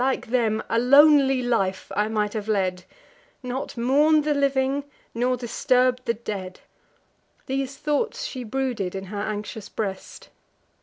Like them, a lonely life I might have led, Not mourn'd the living, nor disturb'd the dead." These thoughts she brooded in her anxious breast.